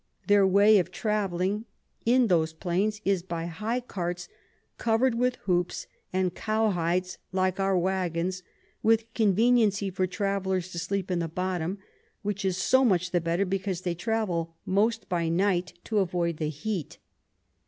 Their way of travelling in those Plains is by high Carts cover'd with Hoops and Cows Hides like our Waggons, with Conveniency for Travellers to sleep in the bottom; which is so much the better, because they travel most by night to avoid the Heat.